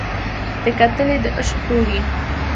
ده کتلى د عشق تورى